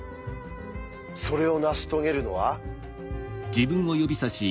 それを成し遂げるのは。